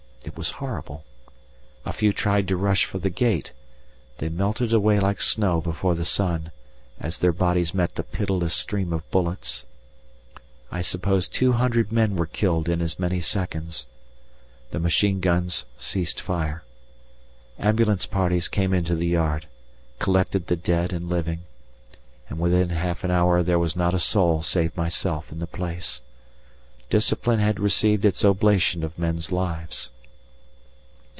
It was horrible. A few tried to rush for the gate, they melted away like snow before the sun, as their bodies met the pitiless stream of bullets. I suppose two hundred men were killed in as many seconds. The machine guns ceased fire. Ambulance parties came into the yard, collected the dead and living, and within half an hour there was not a soul save myself in the place. Discipline had received its oblation of men's lives.